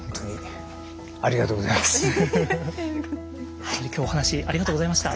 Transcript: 本当に今日お話ありがとうございました。